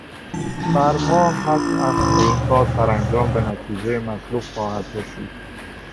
بر ما حتم است که این کار سرانجام به نتیجهٔ مطلوب خواهد رسید.